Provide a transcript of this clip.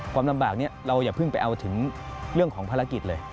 ความลำบากนี้เราอย่าเพิ่งไปเอาถึงเรื่องของภารกิจเลย